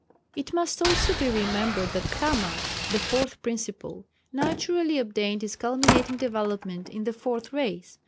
It must also be remembered that Kama, the fourth principle, naturally obtained its culminating development in the Fourth Race.